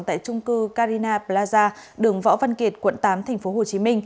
tại trung cư carina plaza đường võ văn kiệt quận tám tp hcm